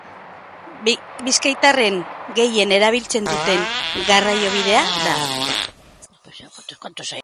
Bizkaitarrek gehien erabiltzen duten garraiobidea da.